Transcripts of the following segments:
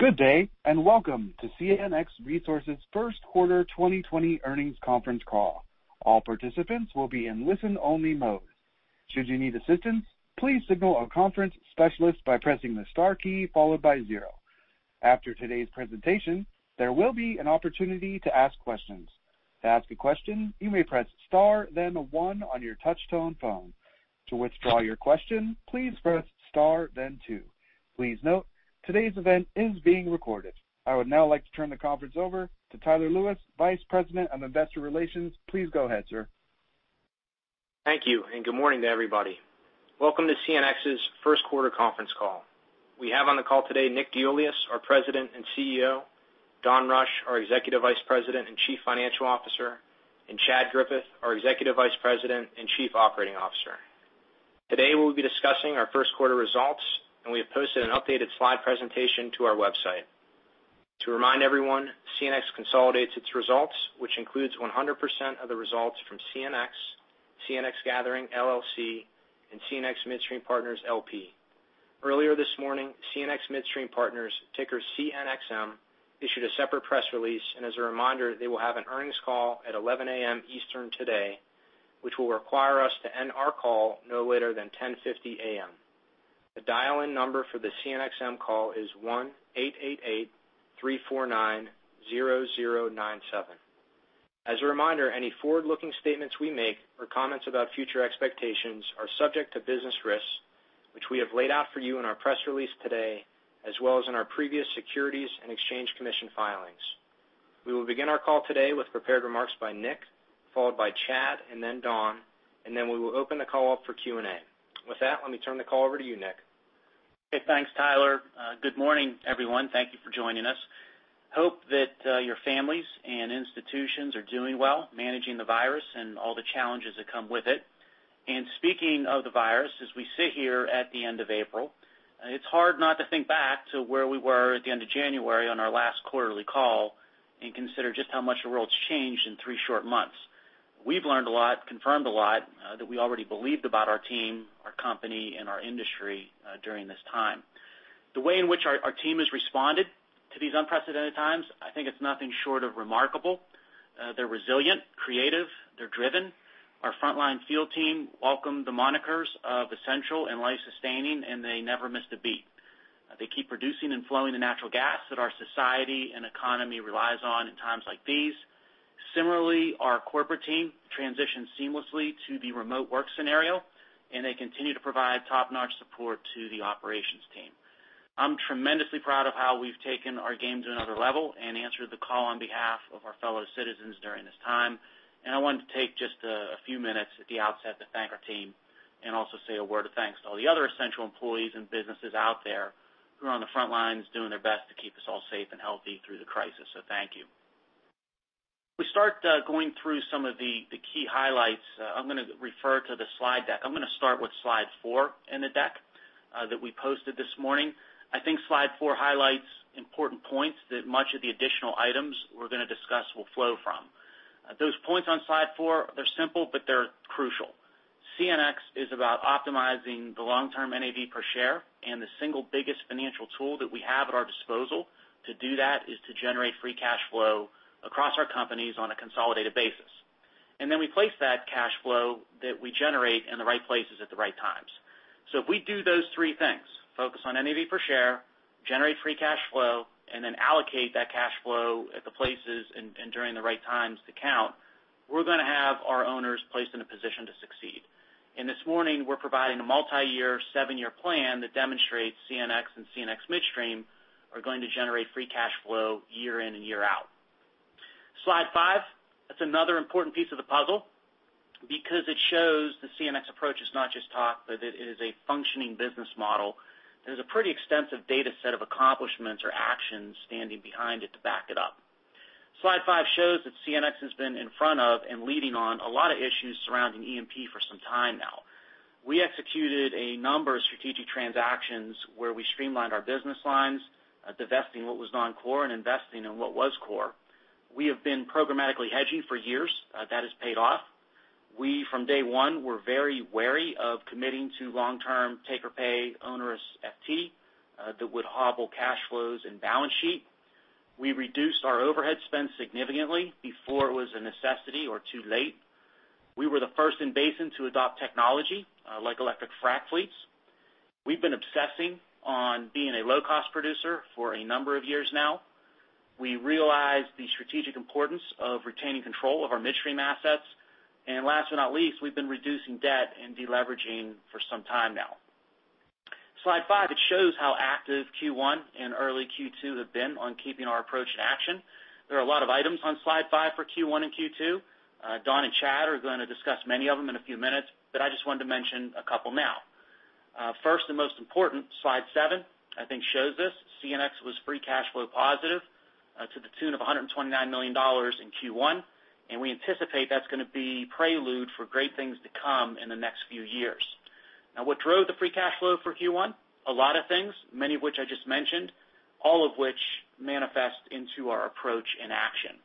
Good day, welcome to CNX Resources' First Quarter 2020 Earnings Conference Call. All participants will be in listen-only mode. Should you need assistance, please signal a conference specialist by pressing the star key followed by zero. After today's presentation, there will be an opportunity to ask questions. To ask a question, you may press star then one on your touch-tone phone. To withdraw your question, please press star then two. Please note, today's event is being recorded. I would now like to turn the conference over to Tyler Lewis, Vice President of Investor Relations. Please go ahead, sir. Thank you, and good morning to everybody. Welcome to CNX's First Quarter Conference Call. We have on the call today Nick DeIuliis, our President and Chief Executive Officer, Don Rush, our Executive Vice President and Chief Financial Officer, and Chad Griffith, our Executive Vice President and Chief Operating Officer. Today, we'll be discussing our first quarter results, and we have posted an updated slide presentation to our website. To remind everyone, CNX consolidates its results, which includes 100% of the results from CNX Gathering LLC, and CNX Midstream Partners LP. Earlier this morning, CNX Midstream Partners, ticker CNXM, issued a separate press release. As a reminder, they will have an earnings call at 11:00 A.M. Eastern today, which will require us to end our call no later than 10:50 A.M. The dial-in number for the CNXM call is 1-888-349-0097. As a reminder, any forward-looking statements we make or comments about future expectations are subject to business risks, which we have laid out for you in our press release today, as well as in our previous Securities and Exchange Commission filings. We will begin our call today with prepared remarks by Nick, followed by Chad, and then Don, and then we will open the call up for Q&A. With that, let me turn the call over to you, Nick. Okay. Thanks, Tyler. Good morning, everyone. Thank you for joining us. Hope that your families and institutions are doing well managing the virus and all the challenges that come with it. Speaking of the virus, as we sit here at the end of April, it's hard not to think back to where we were at the end of January on our last quarterly call and consider just how much the world's changed in three short months. We've learned a lot, confirmed a lot, that we already believed about our team, our company, and our industry during this time. The way in which our team has responded to these unprecedented times, I think it's nothing short of remarkable. They're resilient, creative. They're driven. Our frontline field team welcome the monikers of essential and life-sustaining, and they never missed a beat. They keep producing and flowing the natural gas that our society and economy relies on in times like these. Similarly, our corporate team transitioned seamlessly to the remote work scenario, and they continue to provide top-notch support to the operations team. I'm tremendously proud of how we've taken our game to another level and answered the call on behalf of our fellow citizens during this time. I wanted to take just a few minutes at the outset to thank our team, and also say a word of thanks to all the other essential employees and businesses out there who are on the front lines doing their best to keep us all safe and healthy through the crisis. Thank you. We start going through some of the key highlights. I'm gonna refer to the slide deck. I'm gonna start with Slide four in the deck that we posted this morning. I think Slide four highlights important points that much of the additional items we're gonna discuss will flow from. Those points on Slide four, they're simple, but they're crucial. CNX is about optimizing the long-term NAV per share, and the single biggest financial tool that we have at our disposal to do that is to generate free cash flow across our companies on a consolidated basis. We then place that cash flow that we generate in the right places at the right times. If we do those three things, focus on NAV per share, generate free cash flow, and then allocate that cash flow at the places and during the right times to count, we're gonna have our owners placed in a position to succeed. This morning, we're providing a multiyear seven-year plan that demonstrates CNX and CNX Midstream are going to generate free cash flow year in and year out. Slide five. That's another important piece of the puzzle because it shows the CNX approach is not just talk, but it is a functioning business model. There's a pretty extensive data set of accomplishments or actions standing behind it to back it up. Slide five shows that CNX has been in front of and leading on a lot of issues surrounding E&P for some time now. We executed a number of strategic transactions where we streamlined our business lines, divesting what was non-core and investing in what was core. We have been programmatically hedging for years. That has paid off. We, from day one, were very wary of committing to long-term take-or-pay onerous FT that would hobble cash flows and balance sheet. We reduced our overhead spend significantly before it was a necessity or too late. We were the first in basin to adopt technology like electric frac fleets. We've been obsessing on being a low-cost producer for a number of years now. We realize the strategic importance of retaining control of our midstream assets. Last but not least, we've been reducing debt and deleveraging for some time now. Slide five, it shows how active Q1 and early Q2 have been on keeping our approach in action. There are a lot of items on Slide five for Q1 and Q2. Don and Chad are gonna discuss many of them in a few minutes, but I just wanted to mention a couple now. First and most important, Slide seven, I think shows this. CNX was free cash flow positive to the tune of $129 million in Q1. We anticipate that's gonna be prelude for great things to come in the next few years. Now, what drove the free cash flow for Q1? A lot of things, many of which I just mentioned, all of which manifest into our approach and action.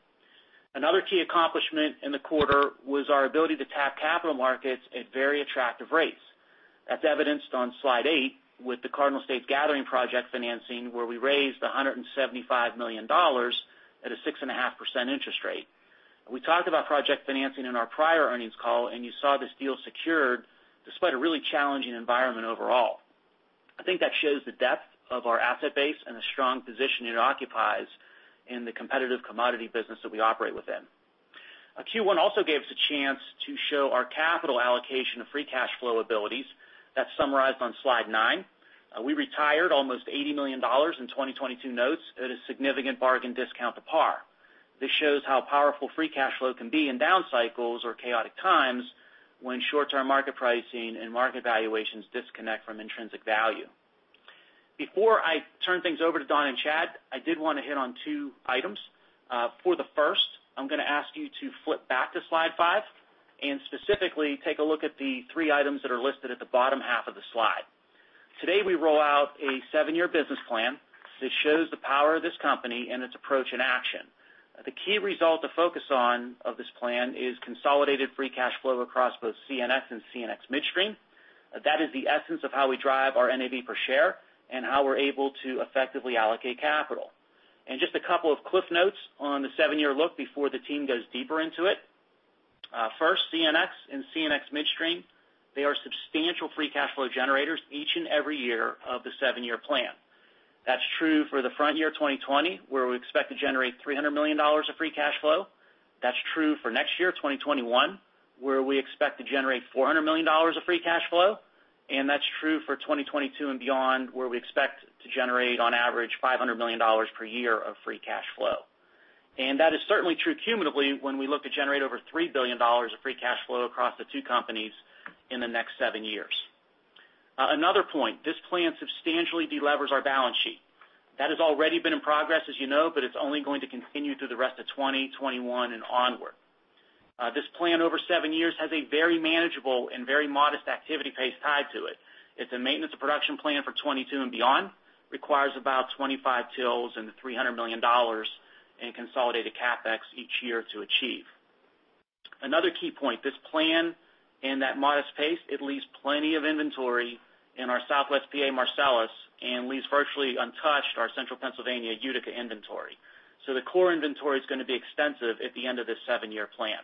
Another key accomplishment in the quarter was our ability to tap capital markets at very attractive rates. That's evidenced on Slide eight with the Cardinal States Gathering project financing, where we raised $175 million at a 6.5% interest rate. We talked about project financing in our prior earnings call. You saw this deal secured despite a really challenging environment overall. I think that shows the depth of our asset base and the strong position it occupies in the competitive commodity business that we operate within. Q1 also gave us a chance to show our capital allocation of free cash flow abilities. That's summarized on Slide nine. We retired almost $80 million in 2022 notes at a significant bargain discount to par. This shows how powerful free cash flow can be in down cycles or chaotic times when short-term market pricing and market valuations disconnect from intrinsic value. Before I turn things over to Don and Chad, I did want to hit on two items. For the first, I'm going to ask you to flip back to Slide five and specifically take a look at the three items that are listed at the bottom half of the slide. Today, we roll out a seven-year business plan that shows the power of this company and its approach in action. The key result to focus on of this plan is consolidated free cash flow across both CNX and CNX Midstream. That is the essence of how we drive our NAV per share and how we're able to effectively allocate capital. Just a couple of cliff notes on the seven-year look before the team goes deeper into it. First, CNX and CNX Midstream, they are substantial free cash flow generators each and every year of the seven-year plan. That's true for the front year 2020, where we expect to generate $300 million of free cash flow. That's true for next year, 2021, where we expect to generate $400 million of free cash flow. That's true for 2022 and beyond, where we expect to generate on average $500 million per year of free cash flow. That is certainly true cumulatively when we look to generate over $3 billion of free cash flow across the two companies in the next seven years. Another point, this plan substantially delevers our balance sheet. That has already been in progress, as you know, but it's only going to continue through the rest of 2020, 2021, and onward. This plan over seven years has a very manageable and very modest activity pace tied to it. It's a maintenance of production plan for 2022 and beyond, requires about 25 TILs and $300 million in consolidated CapEx each year to achieve. Another key point, this plan and that modest pace, it leaves plenty of inventory in our Southwest P.A. Marcellus and leaves virtually untouched our Central Pennsylvania Utica inventory. The core inventory is going to be extensive at the end of this seven-year plan.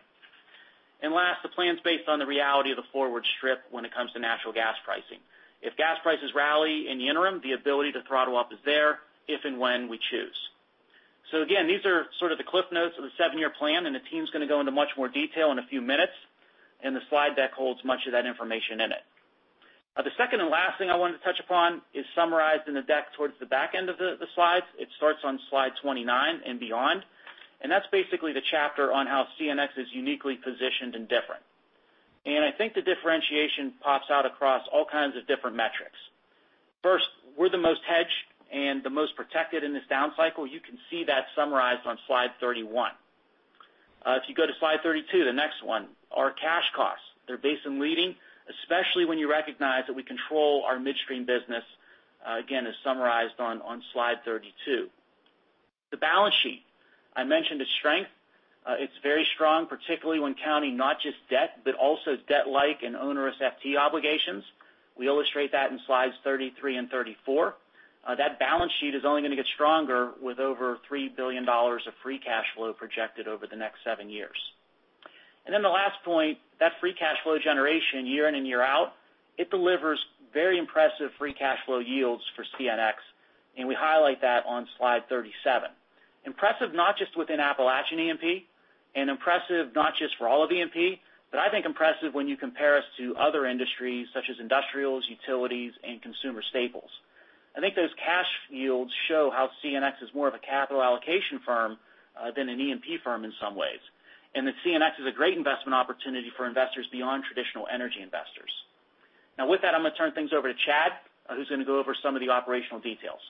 Last, the plan's based on the reality of the forward strip when it comes to natural gas pricing. If gas prices rally in the interim, the ability to throttle up is there if and when we choose. Again, these are sort of the cliff notes of the seven-year plan, and the team's going to go into much more detail in a few minutes, and the slide deck holds much of that information in it. The second and last thing I wanted to touch upon is summarized in the deck towards the back end of the slides. It starts on Slide 29 and beyond, and that's basically the chapter on how CNX is uniquely positioned and different. I think the differentiation pops out across all kinds of different metrics. First, we're the most hedged and the most protected in this down cycle. You can see that summarized on Slide 31. If you go to Slide 32, the next one, our cash costs, they're basin leading, especially when you recognize that we control our midstream business, again, as summarized on Slide 32. The balance sheet, I mentioned its strength. It's very strong, particularly when counting not just debt, but also debt-like and onerous FT obligations. We illustrate that in Slides 33 and 34. That balance sheet is only going to get stronger with over $3 billion of free cash flow projected over the next seven years. The last point, that free cash flow generation year in and year out, it delivers very impressive free cash flow yields for CNX, and we highlight that on Slide 37. Impressive, not just within Appalachian E&P, impressive not just for all of E&P, I think impressive when you compare us to other industries such as industrials, utilities, and consumer staples. I think those cash yields show how CNX is more of a capital allocation firm than an E&P firm in some ways, that CNX is a great investment opportunity for investors beyond traditional energy investors. Now with that, I'm going to turn things over to Chad, who's going to go over some of the operational details.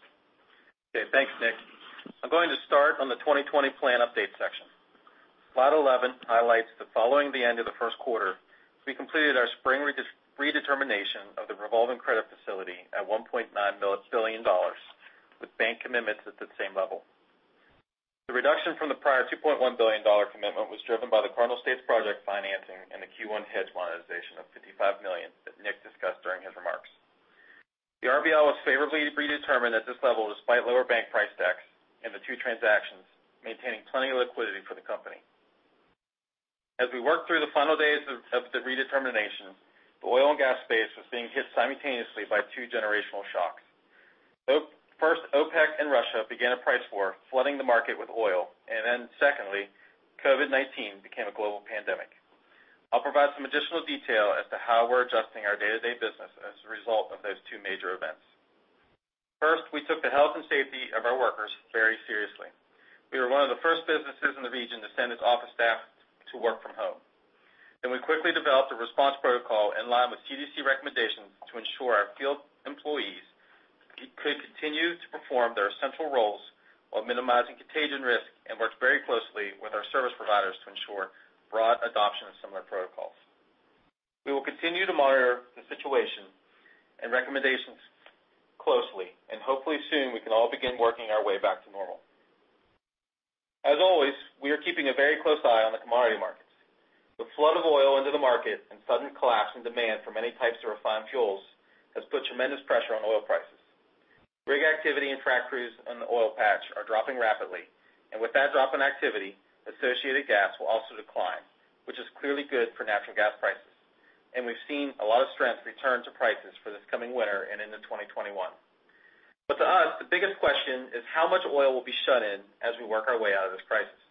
Okay, thanks, Nick. I'm going to start on the 2020 plan update section. Slide 11 highlights that following the end of the first quarter, we completed our spring redetermination of the revolving credit facility at $1.9 billion with bank commitments at the same level. The reduction from the prior $2.1 billion commitment was driven by the Cardinal States project financing and the Q1 hedge monetization of $55 million that Nick discussed during his remarks. The RBL was favorably redetermined at this level despite lower bank price decks and the two transactions, maintaining plenty of liquidity for the company. As we worked through the final days of the redetermination, the oil and gas space was being hit simultaneously by two generational shocks. First, OPEC and Russia began a price war, flooding the market with oil, and then secondly, COVID-19 became a global pandemic. I'll provide some additional detail as to how we're adjusting our day-to-day business as a result of those two major events. First, we took the health and safety of our workers very seriously. We were one of the first businesses in the region to send its office staff to work from home. We quickly developed a response protocol in line with CDC recommendations to ensure our field employees could continue to perform their essential roles while minimizing contagion risk and worked very closely with our service providers to ensure broad adoption of similar protocols. We will continue to monitor the situation and recommendations closely, and hopefully soon we can all begin working our way back to normal. As always, we are keeping a very close eye on the commodity markets. The flood of oil into the market and sudden collapse in demand for many types of refined fuels has put tremendous pressure on oil prices. Rig activity and track crews in the oil patch are dropping rapidly, and with that drop in activity, associated gas will also decline, which is clearly good for natural gas prices. We've seen a lot of strength return to prices for this coming winter and into 2021. To us, the biggest question is how much oil will be shut in as we work our way out of this crisis.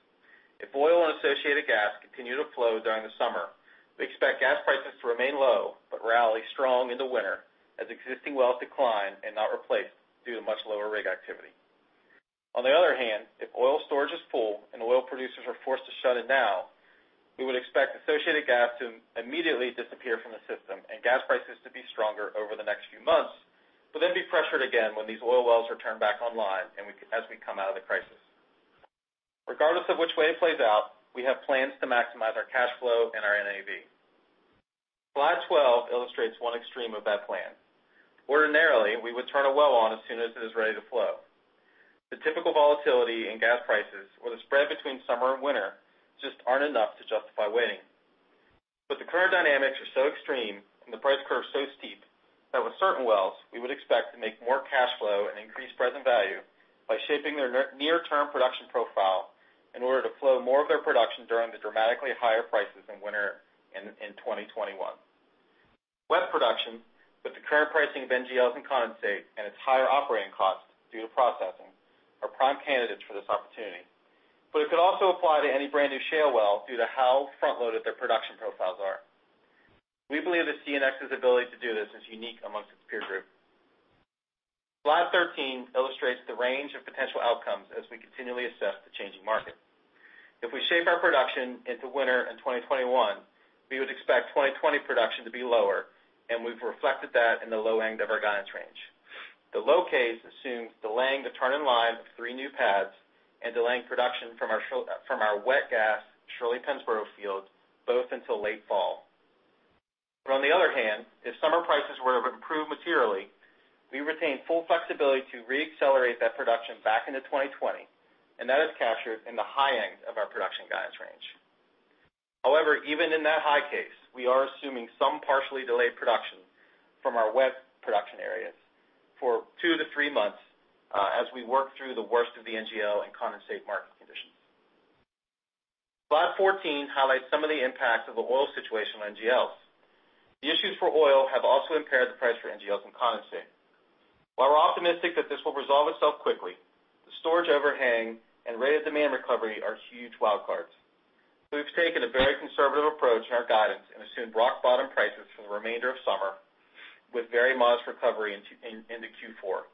If oil and associated gas continue to flow during the summer, we expect gas prices to remain low, but rally strong in the winter as existing wells decline and not replaced due to much lower rig activity. On the other hand, if oil storage is full and oil producers are forced to shut it now, we would expect associated gas to immediately disappear from the system and gas prices to be stronger over the next few months, but then be pressured again when these oil wells are turned back online and as we come out of the crisis. Regardless of which way it plays out, we have plans to maximize our cash flow and our NAV. Slide 12 illustrates one extreme of that plan. Ordinarily, we would turn a well on as soon as it is ready to flow. The typical volatility in gas prices or the spread between summer and winter just aren't enough to justify waiting. The current dynamics are so extreme and the price curve so steep that with certain wells, we would expect to make more cash flow and increase present value by shaping their near-term production profile in order to flow more of their production during the dramatically higher prices in winter in 2021. Wet production with the current pricing of NGLs and condensate and its higher operating costs due to processing are prime candidates for this opportunity. It could also apply to any brand-new shale well due to how front-loaded their production profiles are. We believe that CNX's ability to do this is unique amongst its peer group. Slide 13 illustrates the range of potential outcomes as we continually assess the changing market. If we shape our production into winter in 2021, we would expect 2020 production to be lower, and we've reflected that in the low end of our guidance range. The low case assumes delaying the turn in line of three new pads and delaying production from our wet gas Shirley-Pennsboro fields both until late fall. On the other hand, if summer prices were to improve materially, we retain full flexibility to re-accelerate that production back into 2020, and that is captured in the high end of our production guidance range. However, even in that high case, we are assuming some partially delayed production from our wet production areas for two to three months, as we work through the worst of the NGL and condensate market conditions. Slide 14 highlights some of the impacts of the oil situation on NGLs. The issues for oil have also impaired the price for NGLs and condensate. While we're optimistic that this will resolve itself quickly, the storage overhang and rate of demand recovery are huge wild cards. We've taken a very conservative approach in our guidance and assumed rock-bottom prices for the remainder of summer with very modest recovery into Q4.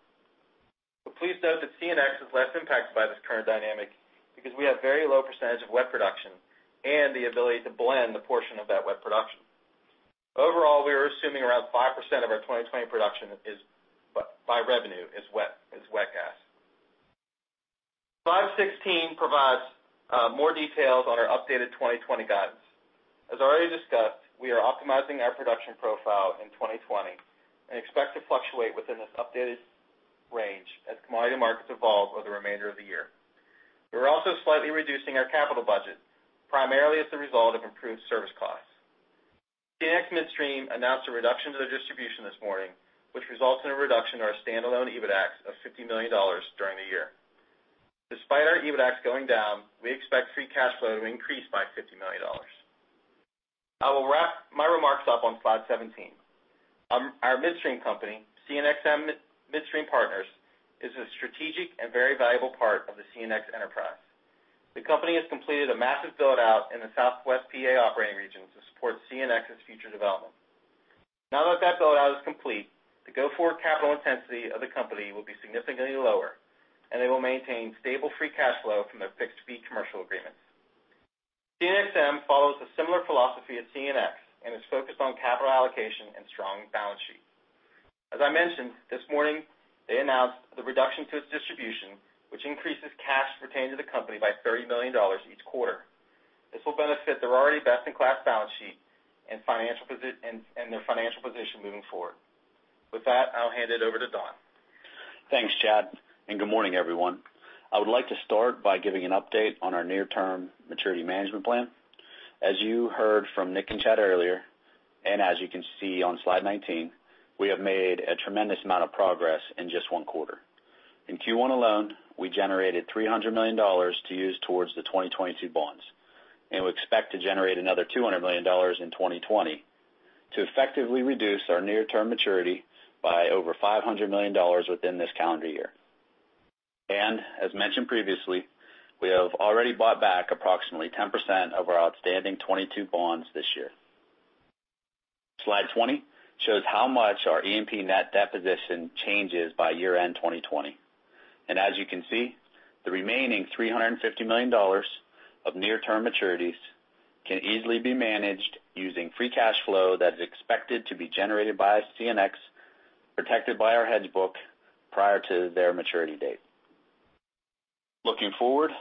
Please note that CNX is less impacted by this current dynamic because we have very low percentage of wet production and the ability to blend a portion of that wet production. Overall, we are assuming around 5% of our 2020 production by revenue is wet gas. Slide 16 provides more details on our updated 2020 guidance. As already discussed, we are optimizing our production profile in 2020 and expect to fluctuate within this updated range as commodity markets evolve over the remainder of the year. We're also slightly reducing our capital budget, primarily as the result of improved service costs. CNX Midstream announced a reduction to their distribution this morning, which results in a reduction to our standalone EBITDAX of $50 million during the year. Despite our EBITDAX going down, we expect free cash flow to increase by $50 million. I will wrap my remarks up on Slide 17. Our midstream company, CNX Midstream Partners, is a strategic and very valuable part of the CNX enterprise. The company has completed a massive build-out in the Southwest P.A. operating region to support CNX's future development. Now that build-out is complete, the go-forward capital intensity of the company will be significantly lower, and they will maintain stable free cash flow from their fixed-fee commercial agreements. CNX Midstream follows a similar philosophy as CNX and is focused on capital allocation and strong balance sheet. As I mentioned, this morning, they announced the reduction to its distribution, which increases cash retained to the company by $30 million each quarter. This will benefit their already best-in-class balance sheet and their financial position moving forward. With that, I'll hand it over to Don. Thanks, Chad. Good morning, everyone. I would like to start by giving an update on our near-term maturity management plan. As you heard from Nick and Chad earlier, as you can see on Slide 19, we have made a tremendous amount of progress in just one quarter. In Q1 alone, we generated $300 million to use towards the 2022 bonds. We expect to generate another $200 million in 2020 to effectively reduce our near-term maturity by over $500 million within this calendar year. As mentioned previously, we have already bought back approximately 10% of our outstanding 2022 bonds this year. Slide 20 shows how much our E&P net debt position changes by year-end 2020. As you can see, the remaining $350 million of near-term maturities can easily be managed using free cash flow that is expected to be generated by CNX, protected by our hedge book prior to their maturity date. Looking forward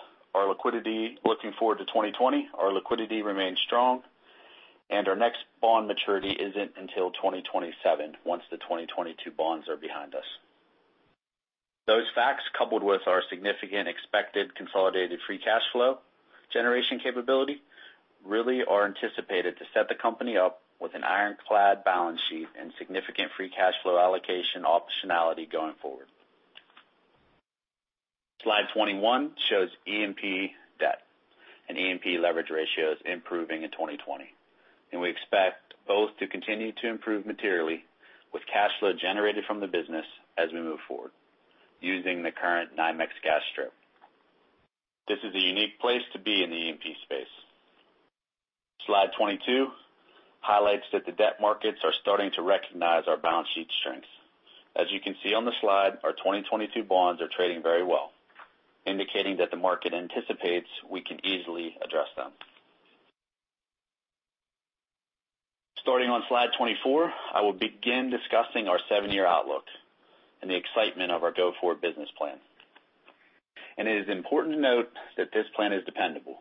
to 2020, our liquidity remains strong, and our next bond maturity isn't until 2027, once the 2022 bonds are behind us. Those facts, coupled with our significant expected consolidated free cash flow generation capability, really are anticipated to set the company up with an ironclad balance sheet and significant free cash flow allocation optionality going forward. Slide 21 shows E&P debt and E&P leverage ratios improving in 2020, and we expect both to continue to improve materially with cash flow generated from the business as we move forward using the current NYMEX gas strip. This is a unique place to be in the E&P space. Slide 22 highlights that the debt markets are starting to recognize our balance sheet strength. As you can see on the slide, our 2022 bonds are trading very well, indicating that the market anticipates we can easily address them. Starting on Slide 24, I will begin discussing our seven-year outlook and the excitement of our go-forward business plan. It is important to note that this plan is dependable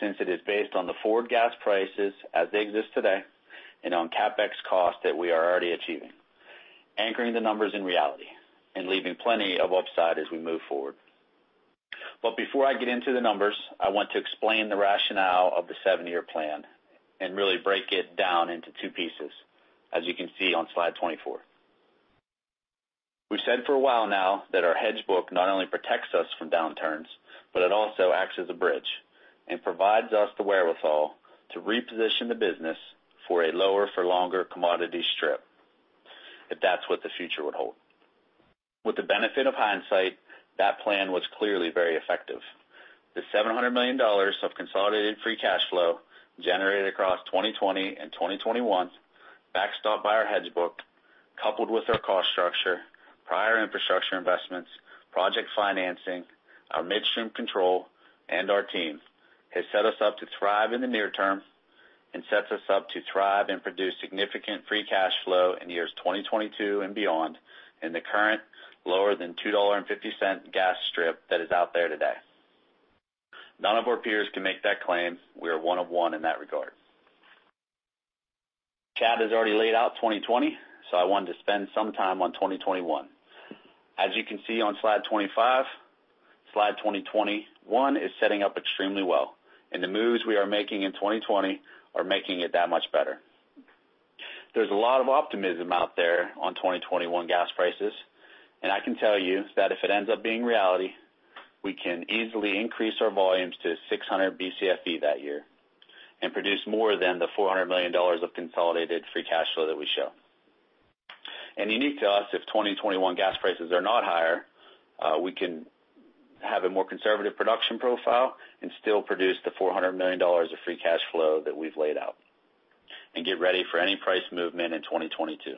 since it is based on the forward gas prices as they exist today and on CapEx cost that we are already achieving, anchoring the numbers in reality and leaving plenty of upside as we move forward. Before I get into the numbers, I want to explain the rationale of the seven-year plan and really break it down into two pieces, as you can see on Slide 24. We've said for a while now that our hedge book not only protects us from downturns, but it also acts as a bridge and provides us the wherewithal to reposition the business for a lower for longer commodity strip, if that's what the future would hold. With the benefit of hindsight, that plan was clearly very effective. The $700 million of consolidated free cash flow generated across 2020 and 2021, backstopped by our hedge book, coupled with our cost structure, prior infrastructure investments, project financing, our midstream control, and our team, has set us up to thrive in the near term and sets us up to thrive and produce significant free cash flow in years 2022 and beyond in the current lower than $2.50 gas strip that is out there today. None of our peers can make that claim. We are one of one in that regard. Chad has already laid out 2020, I wanted to spend some time on 2021. As you can see on Slide 25, slide 2021 is setting up extremely well, and the moves we are making in 2020 are making it that much better. There's a lot of optimism out there on 2021 gas prices, and I can tell you that if it ends up being reality, we can easily increase our volumes to 600 Bcfe that year and produce more than the $400 million of consolidated free cash flow that we show. Unique to us, if 2021 gas prices are not higher, we can have a more conservative production profile and still produce the $400 million of free cash flow that we've laid out and get ready for any price movement in 2022.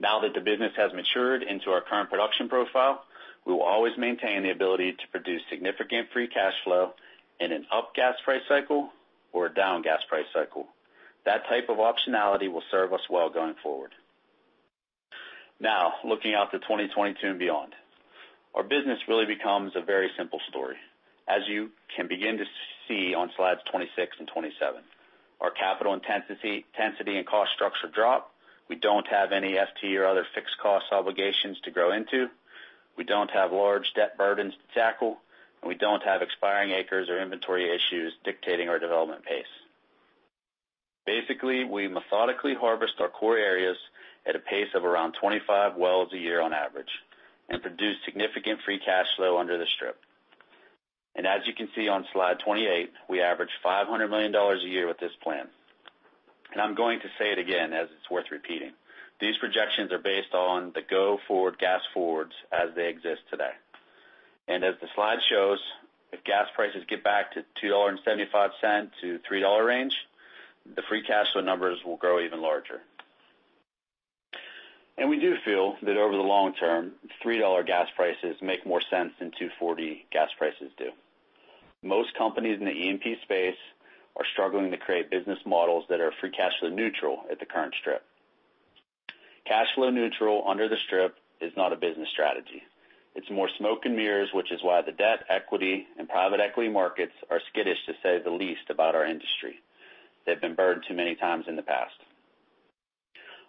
Now that the business has matured into our current production profile, we will always maintain the ability to produce significant free cash flow in an up gas price cycle or a down gas price cycle. That type of optionality will serve us well going forward. Now, looking out to 2022 and beyond, our business really becomes a very simple story. As you can begin to see on Slides 26 and 27, our capital intensity and cost structure drop. We don't have any FT or other fixed cost obligations to grow into. We don't have large debt burdens to tackle, and we don't have expiring acres or inventory issues dictating our development pace. Basically, we methodically harvest our core areas at a pace of around 25 wells a year on average and produce significant free cash flow under the strip. As you can see on Slide 28, we average $500 million a year with this plan. I'm going to say it again, as it's worth repeating. These projections are based on the go-forward gas forwards as they exist today. As the slide shows, if gas prices get back to $2.75-$3 range, the free cash flow numbers will grow even larger. We do feel that over the long term, $3 gas prices make more sense than $2.40 gas prices do. Most companies in the E&P space are struggling to create business models that are free cash flow neutral at the current strip. Cash flow neutral under the strip is not a business strategy. It's more smoke and mirrors, which is why the debt, equity, and private equity markets are skittish, to say the least, about our industry. They've been burned too many times in the past.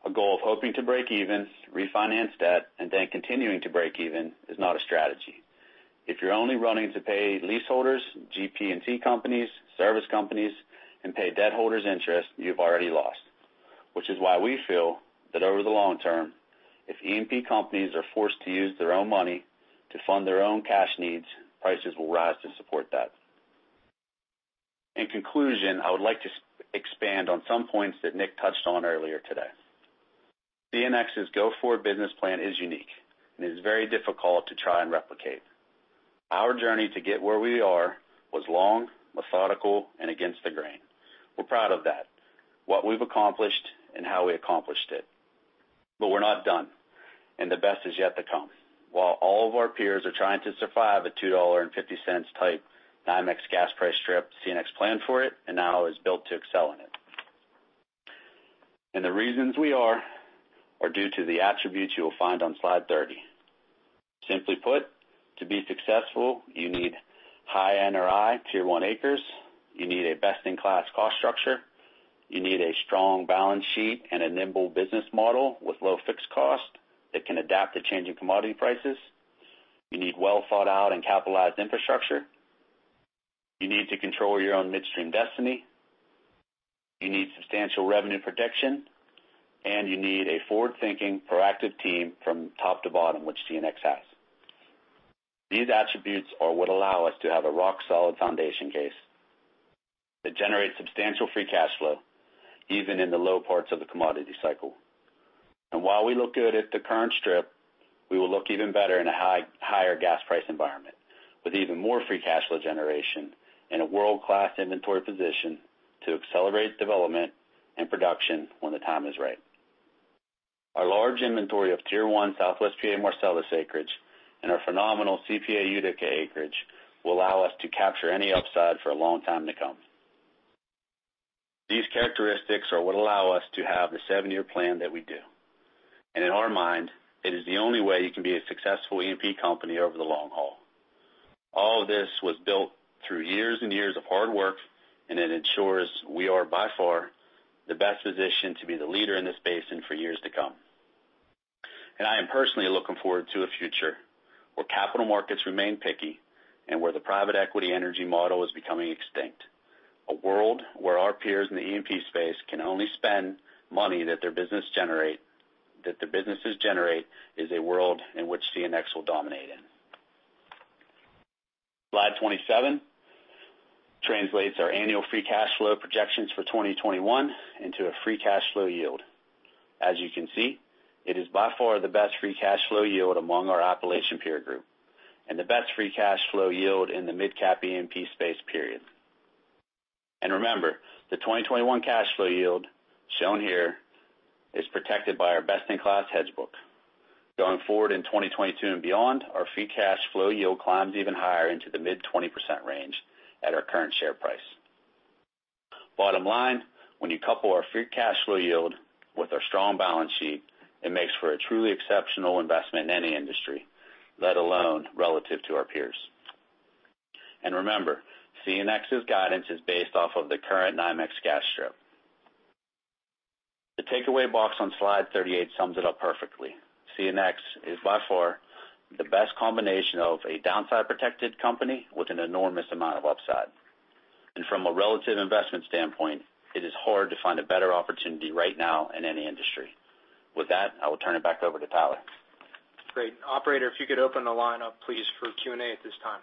A goal of hoping to break even, refinance debt, and then continuing to break even is not a strategy. If you're only running to pay leaseholders, GP&T companies, service companies, and pay debt holders interest, you've already lost. Which is why we feel that over the long term, if E&P companies are forced to use their own money to fund their own cash needs, prices will rise to support that. In conclusion, I would like to expand on some points that Nick touched on earlier today. CNX's go-forward business plan is unique and is very difficult to try and replicate. Our journey to get where we are was long, methodical, and against the grain. We're proud of that, what we've accomplished, and how we accomplished it. We're not done, and the best is yet to come. While all of our peers are trying to survive a $2.50-type NYMEX gas price strip, CNX planned for it and now is built to excel in it. The reasons we are due to the attributes you will find on Slide 30. Simply put, to be successful, you need high NRI Tier 1 acres, you need a best-in-class cost structure, you need a strong balance sheet and a nimble business model with low fixed cost that can adapt to changing commodity prices. You need well-thought-out and capitalized infrastructure. You need to control your own midstream destiny. You need substantial revenue protection, and you need a forward-thinking, proactive team from top to bottom, which CNX has. These attributes are what allow us to have a rock-solid foundation case that generates substantial free cash flow, even in the low parts of the commodity cycle. While we look good at the current strip, we will look even better in a higher gas price environment, with even more free cash flow generation and a world-class inventory position to accelerate development and production when the time is right. Our large inventory of Tier 1 Southwest P.A. Marcellus acreage and our phenomenal dry Utica acreage will allow us to capture any upside for a long time to come. These characteristics are what allow us to have the seven-year plan that we do. In our mind, it is the only way you can be a successful E&P company over the long haul. All of this was built through years and years of hard work, and it ensures we are by far the best positioned to be the leader in this basin for years to come. I am personally looking forward to a future where capital markets remain picky and where the private equity energy model is becoming extinct. A world where our peers in the E&P space can only spend money that their businesses generate is a world in which CNX will dominate in. Slide 27 translates our annual free cash flow projections for 2021 into a free cash flow yield. As you can see, it is by far the best free cash flow yield among our Appalachian peer group, and the best free cash flow yield in the mid-cap E&P space period. Remember, the 2021 cash flow yield shown here is protected by our best-in-class hedge book. Going forward in 2022 and beyond, our free cash flow yield climbs even higher into the mid 20% range at our current share price. Bottom line, when you couple our free cash flow yield with our strong balance sheet, it makes for a truly exceptional investment in any industry, let alone relative to our peers. Remember, CNX's guidance is based off of the current NYMEX gas strip. The takeaway box on Slide 38 sums it up perfectly. CNX is by far the best combination of a downside-protected company with an enormous amount of upside. From a relative investment standpoint, it is hard to find a better opportunity right now in any industry. With that, I will turn it back over to Tyler. Great. Operator, if you could open the line up, please, for Q&A at this time.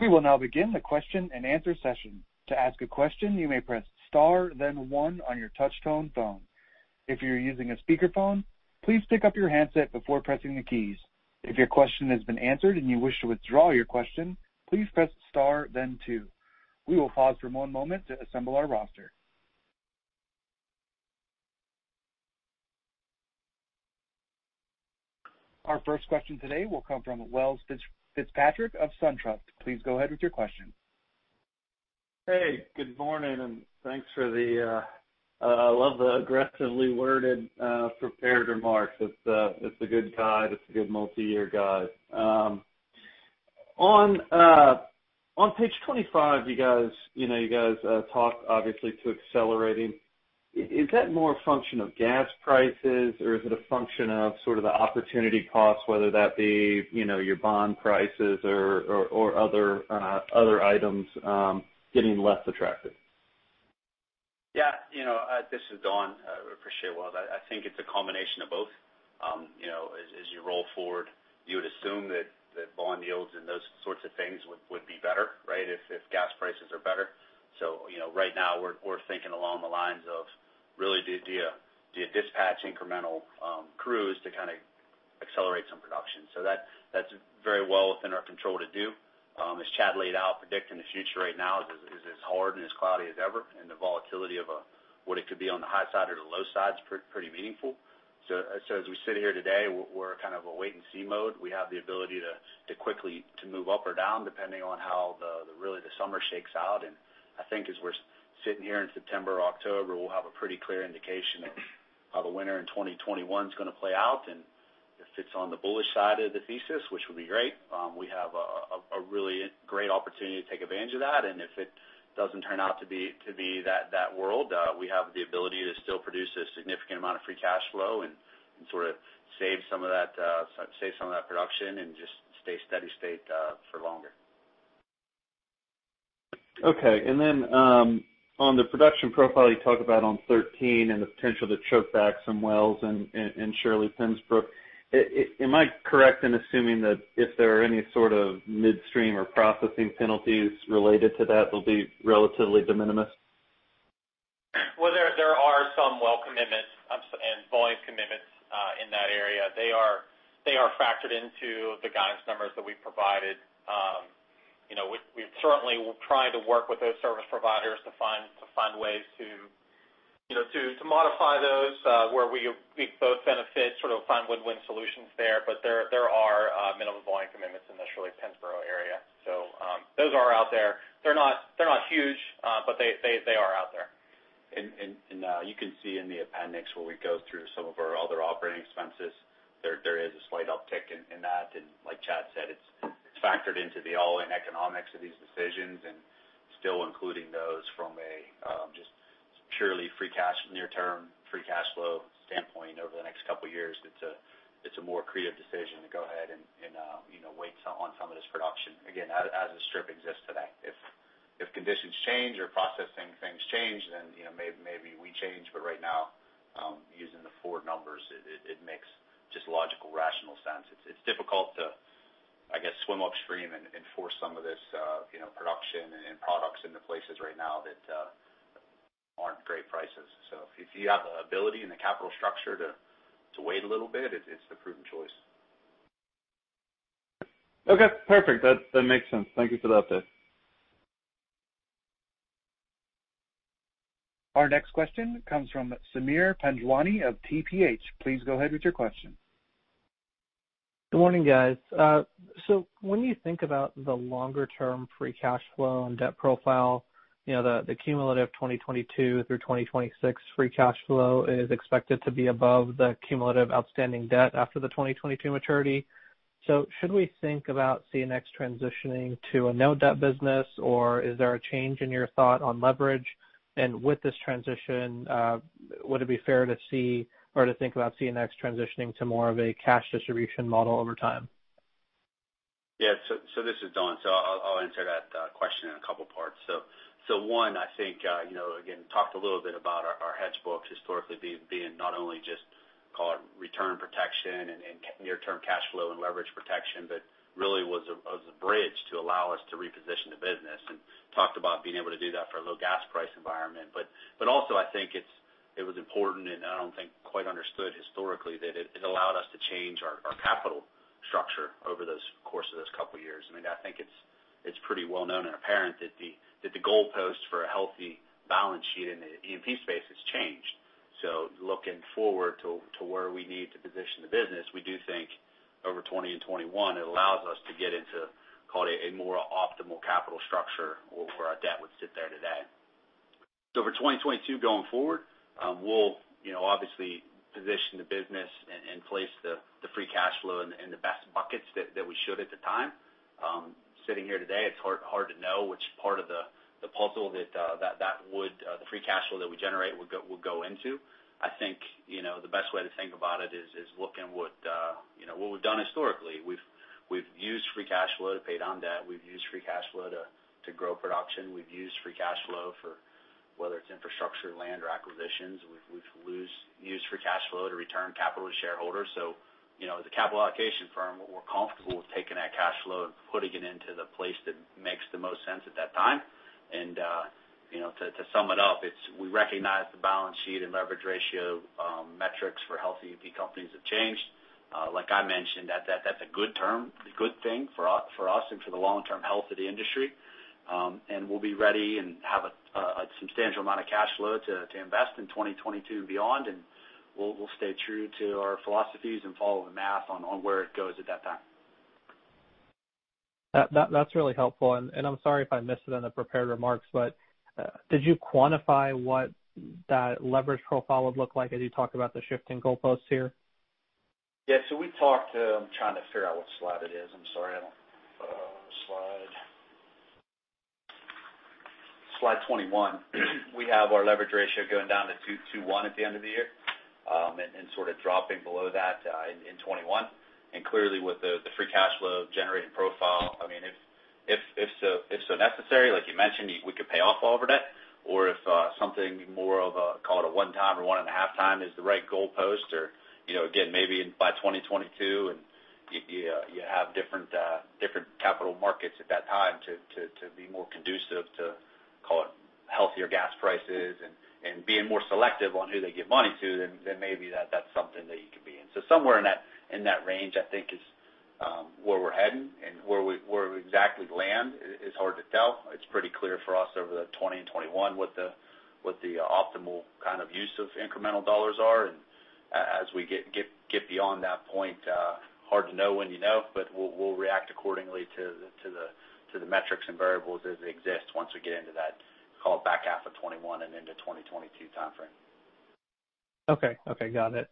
We will now begin the question and answer session. To ask a question, you may press star then one on your touch-tone phone. If you're using a speakerphone, please pick up your handset before pressing the keys. If your question has been answered and you wish to withdraw your question, please press star then two. We will pause for one moment to assemble our roster. Our first question today will come from Welles Fitzpatrick of SunTrust. Please go ahead with your question. Hey, good morning. I love the aggressively worded prepared remarks. It's a good guide. It's a good multi-year guide. On page 25, you guys talked obviously to accelerating. Is that more a function of gas prices, or is it a function of sort of the opportunity cost, whether that be your bond prices or other items getting less attractive? This is Don. I appreciate, Welles. I think it's a combination of both. As you roll forward, you would assume that bond yields and those sorts of things would be better, right? If gas prices are better. Right now, we're thinking along the lines of really do you dispatch incremental crews to kind of accelerate some production? That's very well within our control to do. As Chad laid out, predicting the future right now is as hard and as cloudy as ever, and the volatility of what it could be on the high side or the low side is pretty meaningful. As we sit here today, we're kind of a wait-and-see mode. We have the ability to quickly move up or down, depending on how really the summer shakes out. I think as we're sitting here in September, October, we'll have a pretty clear indication of how the winter in 2021 is going to play out. If it's on the bullish side of the thesis, which would be great, we have a really great opportunity to take advantage of that. If it doesn't turn out to be that world, we have the ability to still produce a significant amount of free cash flow and sort of save some of that production and just stay steady state for longer. Okay. On the production profile you talk about on 13 and the potential to choke back some wells in Shirley-Pennsboro, am I correct in assuming that if there are any sort of midstream or processing penalties related to that, they'll be relatively de minimis? There are some well commitments and volume commitments in that area. They are factored into the guidance numbers that we provided. We certainly will try to work with those service providers to find ways to modify those where we both benefit, sort of find win-win solutions there. There are minimum volume commitments in the Shirley-Pennsboro area. Those are out there. They're not huge, but they are out there. You can see in the appendix where we go through some of our other operating expenses, there is a slight uptick in that. Like Chad said, it's factored into the all-in economics of these decisions and still including those from a just purely near-term free cash flow standpoint over the next couple of years, it's a more accretive decision to go ahead and wait on some of this production, again, as the strip exists today. If conditions change or processing things change, then maybe we change. Right now, using the forward numbers, it makes just logical, rational sense. It's difficult to, I guess, swim upstream and force some of this production and products into places right now that aren't great prices. If you have the ability and the capital structure to wait a little bit, it's the prudent choice. Okay, perfect. That makes sense. Thank you for the update. Our next question comes from Sameer Panjwani of TPH. Please go ahead with your question. Good morning, guys. When you think about the longer-term free cash flow and debt profile, the cumulative 2022 through 2026 free cash flow is expected to be above the cumulative outstanding debt after the 2022 maturity. Should we think about CNX transitioning to a no-debt business, or is there a change in your thought on leverage? With this transition, would it be fair to see or to think about CNX transitioning to more of a cash distribution model over time? Yeah. This is Don. I'll answer that question in a couple of parts. One, I think, again, talked a little bit about our hedge books historically being not only just, call it return protection and near-term cash flow and leverage protection, but really was a bridge to allow us to reposition the business and talked about being able to do that for a low gas price environment. Also, I think it was important, and I don't think quite understood historically, that it allowed us to change our capital structure over the course of those couple of years. I think it's pretty well-known and apparent that the goalpost for a healthy balance sheet in the E&P space has changed. Looking forward to where we need to position the business, we do think over 2020 and 2021, it allows us to get into, call it a more optimal capital structure where our debt would sit there today. For 2022 going forward, we'll obviously position the business and place the free cash flow in the best buckets that we should at the time. Sitting here today, it's hard to know which part of the puzzle that the free cash flow that we generate will go into. I think the best way to think about it is looking what we've done historically. We've used free cash flow to pay down debt. We've used free cash flow to grow production. We've used free cash flow for whether it's infrastructure, land, or acquisitions. We've used free cash flow to return capital to shareholders. As a capital allocation firm, we're comfortable with taking that cash flow and putting it into the place that makes the most sense at that time. To sum it up, we recognize the balance sheet and leverage ratio metrics for healthy E&P companies have changed. Like I mentioned, that's a good thing for us and for the long-term health of the industry. We'll be ready and have a substantial amount of cash flow to invest in 2022 and beyond. We'll stay true to our philosophies and follow the math on where it goes at that time. That's really helpful. I'm sorry if I missed it on the prepared remarks, but did you quantify what that leverage profile would look like as you talk about the shifting goalposts here? Yeah. I'm trying to figure out what slide it is. I'm sorry. Slide 21. We have our leverage ratio going down to 2.21 at the end of the year, and sort of dropping below that in 2021. Clearly, with the free cash flow generating profile, if so necessary, like you mentioned, we could pay off all of our debt, or if something more of a, call it a one-time or one-and-a-half time is the right goalpost, or again, maybe by 2022, and you have different capital markets at that time to be more conducive to, call it healthier gas prices and being more selective on who they give money to, then maybe that's something that you could be in. Somewhere in that range, I think, is where we're heading, and where we exactly land is hard to tell. It's pretty clear for us over the 2020 and 2021 what the optimal kind of use of incremental dollars are. As we get beyond that point, hard to know when you know, but we'll react accordingly to the metrics and variables as they exist once we get into that, call it back half of 2021 and into 2022 timeframe. Okay. Got it.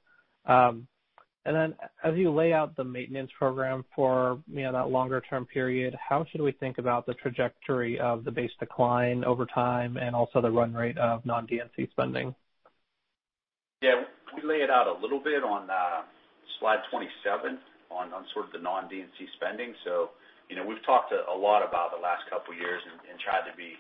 Then as you lay out the maintenance program for that longer-term period, how should we think about the trajectory of the base decline over time and also the run rate of non-D&C spending? Yeah. We lay it out a little bit on Slide 27 on sort of the non-D&C spending. We've talked a lot about the last couple of years and tried to be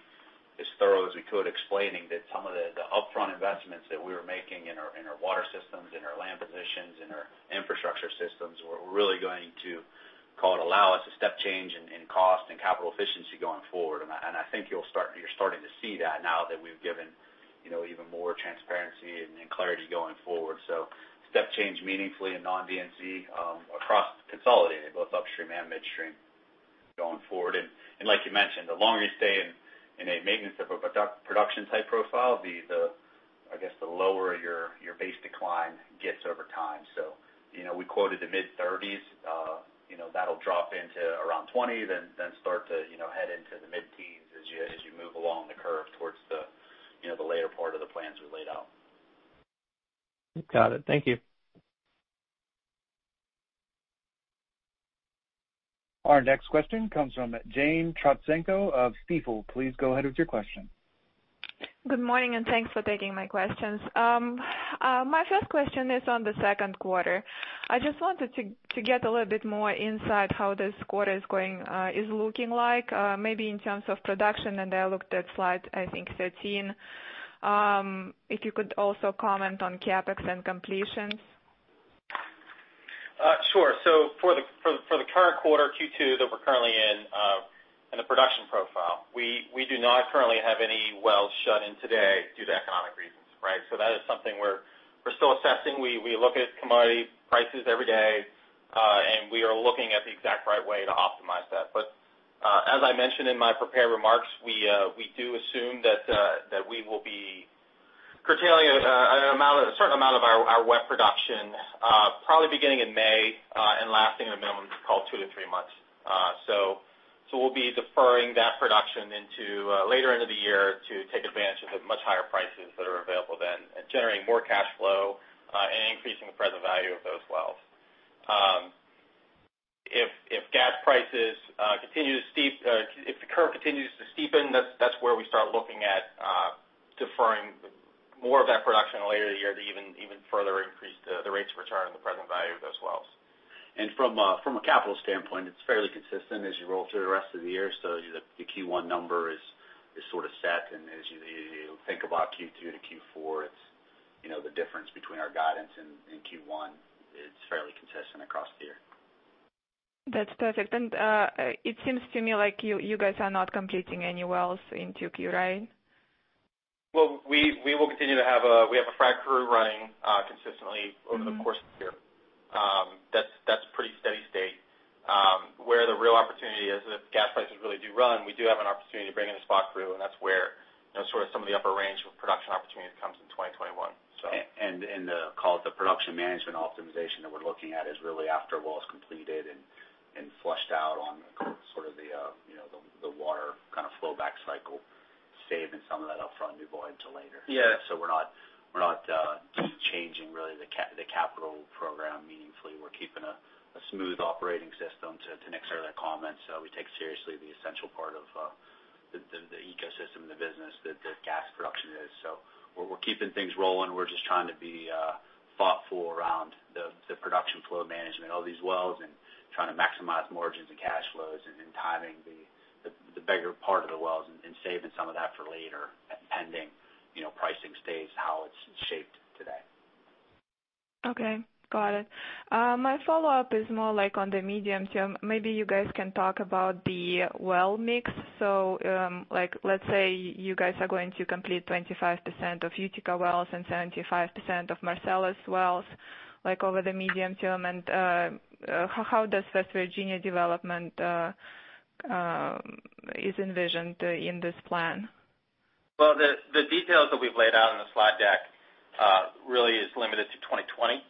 as thorough as we could, explaining that some of the upfront investments that we were making in our water systems, in our land positions, in our infrastructure systems were really going to, call it, allow us a step change in cost and capital efficiency going forward. I think you're starting to see that now that we've given even more transparency and clarity going forward. Step change meaningfully in non-D&C across consolidated, both upstream and midstream going forward. Like you mentioned, the longer you stay in a maintenance type of production type profile, theI guess the lower your base decline gets over time. We quoted the mid-30s. That'll drop into around 20, then start to head into the mid-teens as you move along the curve towards the later part of the plans we laid out. Got it. Thank you. Our next question comes from Jane Trotsenko of Stifel. Please go ahead with your question. Good morning, and thanks for taking my questions. My first question is on the second quarter. I just wanted to get a little bit more insight how this quarter is looking like, maybe in terms of production, and I looked at slide, I think 13. If you could also comment on CapEx and completions. Sure. For the current quarter, Q2, that we're currently in the production profile, we do not currently have any wells shut in today due to economic reasons, right? That is something we're still assessing. We look at commodity prices every day, and we are looking at the exact right way to optimize that. As I mentioned in my prepared remarks, we do assume that we will be curtailing a certain amount of our wet production, probably beginning in May, and lasting a minimum of call it two to three months. We'll be deferring that production into later into the year to take advantage of the much higher prices that are available then, and generating more cash flow, and increasing the present value of those wells. If gas prices continue to steep, if the curve continues to steepen, that's where we start looking at deferring more of that production later in the year to even further increase the rates of return on the present value of those wells. From a capital standpoint, it's fairly consistent as you roll through the rest of the year. The Q1 number is sort of set, and as you think about Q2 to Q4, the difference between our guidance in Q1 is fairly consistent across the year. That's perfect. It seems to me like you guys are not completing any wells into Q, right? Well, we have a frac crew running consistently over the course of the year. That's pretty steady state. Where the real opportunity is, if gas prices really do run, we do have an opportunity to bring in a spot crew, and that's where sort of some of the upper range of production opportunity comes in 2021. Call it the production management optimization that we're looking at is really after a well is completed and flushed out on the water flow back cycle, saving some of that upfront to deploy into later. Yeah. We're not changing really the capital program meaningfully. We're keeping a smooth operating system to Nick's earlier comments. We take seriously the essential part of the ecosystem of the business that gas production is. We're keeping things rolling. We're just trying to be thoughtful around the production flow management of these wells and trying to maximize margins and cash flows and timing the bigger part of the wells, and saving some of that for later, pending pricing stays how it's shaped today. Okay. Got it. My follow-up is more on the medium term. Maybe you guys can talk about the well mix. Let's say you guys are going to complete 25% of Utica wells and 75% of Marcellus wells over the medium term, and how does West Virginia development is envisioned in this plan? The details that we've laid out in the slide deck really is limited to 2020,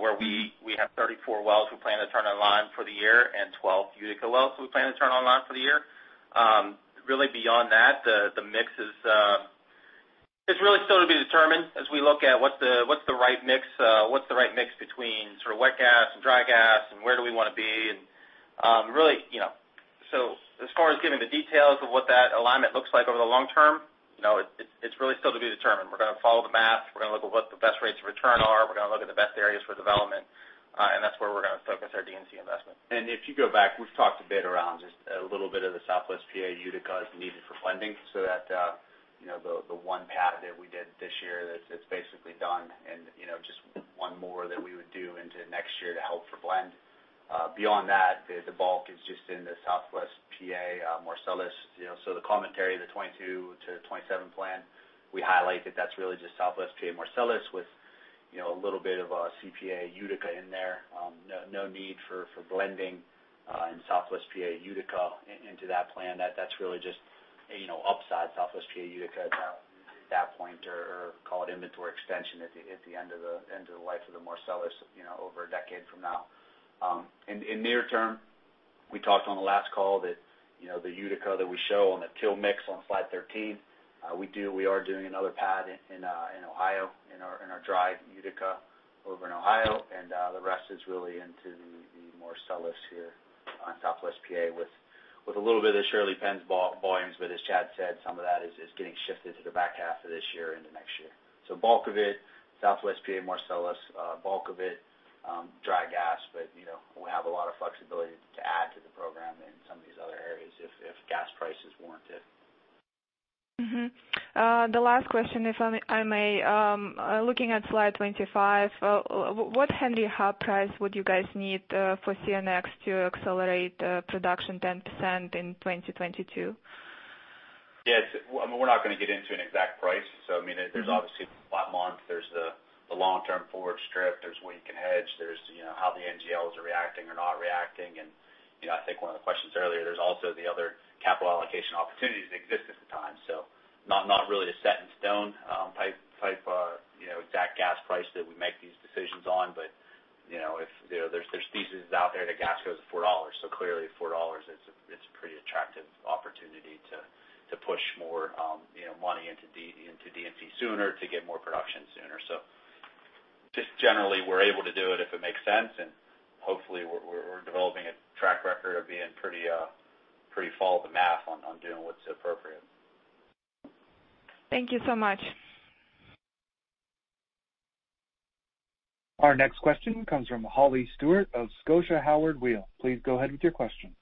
where we have 34 wells we plan to turn online for the year and 12 Utica wells we plan to turn online for the year. Beyond that, the mix is really still to be determined as we look at what's the right mix between sort of wet gas and dry gas, and where do we want to be. As far as giving the details of what that alignment looks like over the long term, it's really still to be determined. We're going to follow the math. We're going to look at what the best rates of return are. We're going to look at the best areas for development. That's where we're going to focus our D&C investment. If you go back, we've talked a bit around just a little bit of the Southwest P.A. Utica as needed for funding, so that the one pad that we did this year, that's basically done, and just one more that we would do into next year to help for blend. Beyond that, the bulk is just in the Southwest P.A. Marcellus. The commentary of the 2022 to 2027 plan, we highlight that that's really just Southwest PA Marcellus with a little bit of CPA Utica in there. No need for blending in Southwest P.A. Utica into that plan. That's really just upside Southwest P.A. Utica at that point or call it inventory extension at the end of the life of the Marcellus over a decade from now. In near term, we talked on the last call that the Utica that we show on the TILs mix on Slide 13, we are doing another pad in Ohio, in our dry Utica over in Ohio, and the rest is really into the Marcellus here on Southwest P.A. with a little bit of Shirley-Pennsboro volumes. As Chad said, some of that is just getting shifted to the back half of this year into next year. Bulk of it, Southwest P.A. Marcellus, bulk of it dry gas, but we have a lot of flexibility to add to the program in some of these other areas if gas prices warrant it. Mm-hmm. The last question, if I may. Looking at Slide 25, what Henry Hub price would you guys need for CNX to accelerate production 10% in 2022? Yes. We're not going to get into an exact price. There's obviously flat month, there's the long-term forward strip, there's what you can hedge. There's how the NGLs are reacting or not reacting. I think one of the questions earlier, there's also the other capital allocation opportunities that exist at the time. Not really a set in stone type exact gas price that we make these decisions on. There's thesis out there that gas goes to $4. Clearly $4, it's a pretty attractive opportunity to push more money into D&C sooner to get more production sooner. Just generally, we're able to do it if it makes sense, and hopefully we're developing a track record of being pretty follow the math on doing what's appropriate. Thank you so much. Our next question comes from Holly Stewart of Scotia Howard Weil. Please go ahead with your question.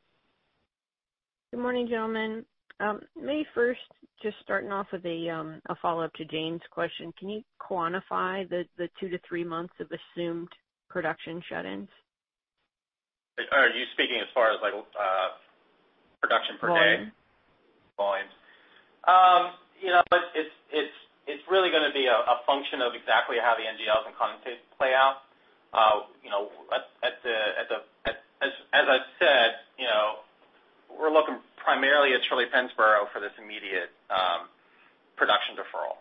Good morning, gentlemen. May I first just starting off with a follow-up to Jane's question. Can you quantify the two to three months of assumed production shut-ins? Are you speaking as far as production per day? Volume. Volumes. It's really going to be a function of exactly how the NGLs and condensate play out. As I've said, we're looking primarily at Shirley-Pennsboro for this immediate production deferral,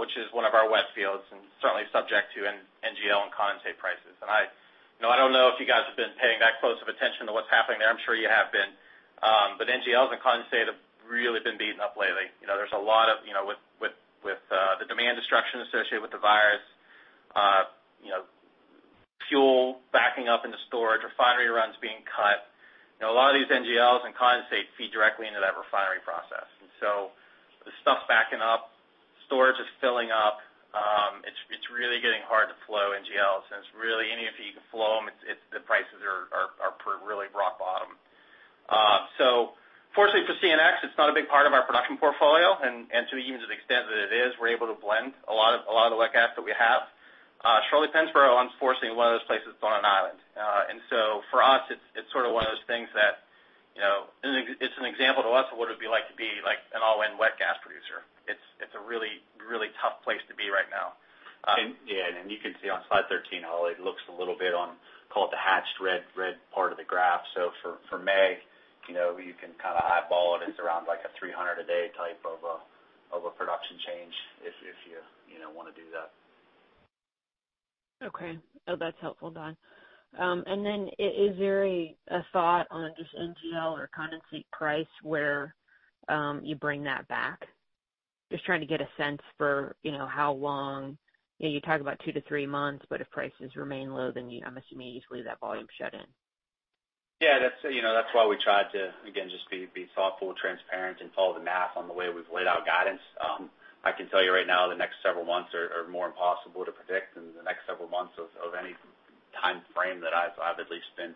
which is one of our wet fields, and certainly subject to NGL and condensate prices. I don't know if you guys have been paying that close of attention to what's happening there. I'm sure you have been. NGLs and condensate have really been beaten up lately. There's a lot with the demand destruction associated with the virus, fuel backing up into storage, refinery runs being cut. A lot of these NGLs and condensate feed directly into that refinery process. The stuff's backing up. Storage is filling up. It's really getting hard to flow NGLs, and it's really any, if you can flow them, the prices are really rock bottom. Fortunately for CNX, it's not a big part of our production portfolio. To even to the extent that it is, we're able to blend a lot of the wet gas that we have. Shirley-Pennsboro, unfortunately, one of those places is on an island. For us, it's one of those things that it's an example to us of what it would be like to be like an all-in wet gas producer. It's a really tough place to be right now. Yeah, and you can see on Slide 13, Holly, it looks a little bit on call it the hatched red part of the graph. For May, you can kind of eyeball it. It's around like a 300 a day type of a production change if you want to do that. Okay. No, that's helpful, Don. Is there a thought on just NGL or condensate price where you bring that back? Just trying to get a sense for how long. You talk about two to three months, if prices remain low, I'm assuming you just leave that volume shut in. Yeah, that's why we tried to, again, just be thoughtful, transparent, and follow the math on the way we've laid out guidance. I can tell you right now, the next several months are more impossible to predict than the next several months of any timeframe that I've at least been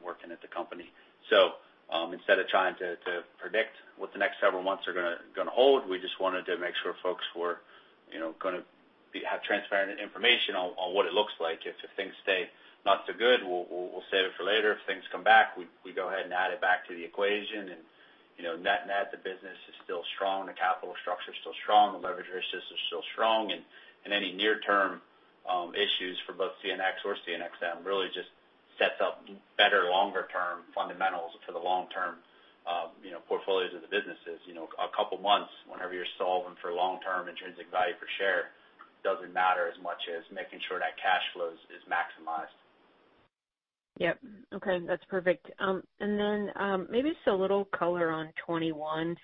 working at the company. Instead of trying to predict what the next several months are going to hold, we just wanted to make sure folks were going to have transparent information on what it looks like. If things stay not so good, we'll save it for later. If things come back, we go ahead and add it back to the equation. Net, the business is still strong. The capital structure's still strong. The leverage ratio is still strong. Any near-term issues for both CNX or CNXM really just sets up better longer-term fundamentals for the long-term portfolios of the businesses. A couple of months, whenever you're solving for long-term intrinsic value per share, doesn't matter as much as making sure that cash flow is maximized. Yep. Okay. That's perfect. Maybe just a little color on 2021.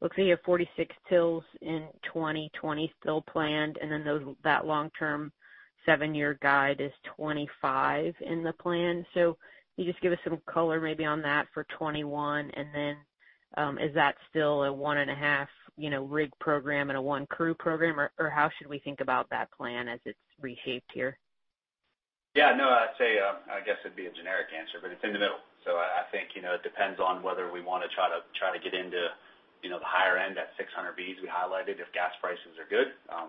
Looks like you have 46 TILs in 2020 still planned, and then that long-term seven-year guide is 25 in the plan. Can you just give us some color maybe on that for 2021? Is that still a one and a half rig program and a one crew program, or how should we think about that plan as it's reshaped here? Yeah. No, I'd say, I guess it'd be a generic answer, but it's in the middle. I think it depends on whether we want to try to get into the higher end at 600 Bcfe we highlighted, if gas prices are good. I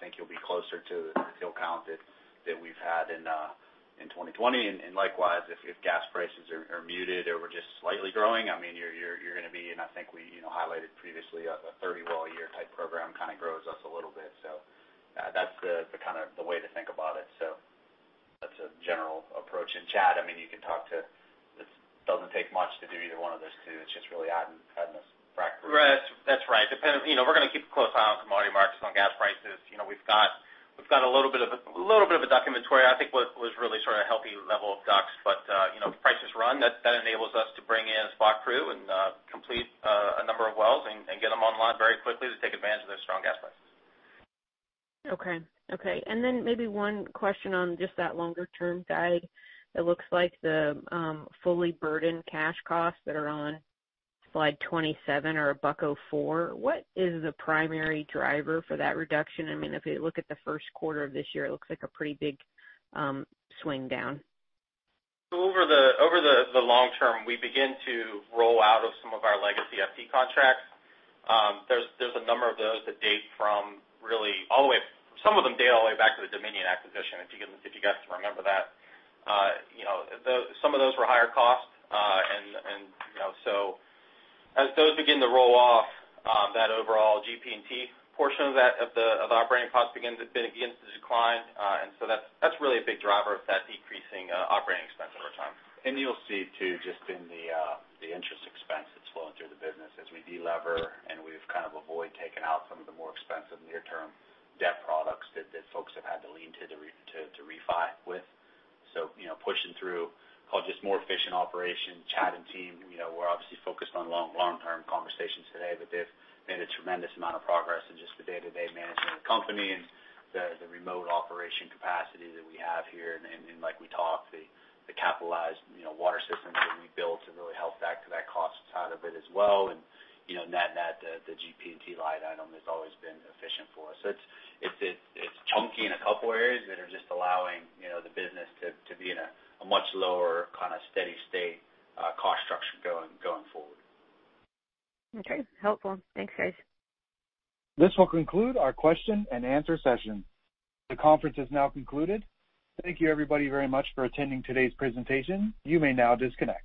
think you'll be closer to the TILs count that we've had in 2020. Likewise, if gas prices are muted or were just slightly growing, you're going to be, and I think we highlighted previously, a 30 well a year type program kind of grows us a little bit. That's the way to think about it. That's a general approach. Chad, you can talk to It doesn't take much to do either one of those two. It's just really adding this frac crew. Right. That's right. We're going to keep a close eye on commodity markets, on gas prices. We've got a little bit of a DUC inventory. I think what was really sort of a healthy level of DUCs. Prices run, that enables us to bring in a spot crew and complete a number of wells and get them online very quickly to take advantage of those strong gas prices. Okay. Maybe one question on just that longer-term guide. It looks like the fully burdened cash costs that are on Slide 27 are $1.04. What is the primary driver for that reduction? If you look at the first quarter of this year, it looks like a pretty big swing down. Over the long term, we begin to roll out of some of our legacy FT contracts. There's a number of those that date from really some of them date all the way back to the Dominion acquisition, if you guys remember that. Some of those were higher cost. As those begin to roll off, that overall GP&T portion of the operating cost begins to decline. That's really a big driver of that decreasing operating expense over time. You'll see, too, just in the interest expense that's flowing through the business as we de-lever, and we've kind of avoid taking out some of the more expensive near-term debt products that folks have had to lean to refi with. Pushing through just more efficient operation. Chad and team, we're obviously focused on long-term conversations today, but they've made a tremendous amount of progress in just the day-to-day management of the company and the remote operation capacity that we have here. Like we talked, the capitalized water systems that we built to really help back to that cost side of it as well. Net, the GP&T line item has always been efficient for us. It's chunky in a couple areas that are just allowing the business to be in a much lower kind of steady state cost structure going forward. Okay. Helpful. Thanks, guys. This will conclude our question and answer session. The conference has now concluded. Thank you everybody very much for attending today's presentation. You may now disconnect.